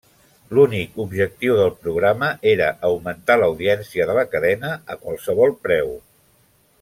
L'únic objectiu del programa era augmentar l'audiència de la cadena a qualsevol preu.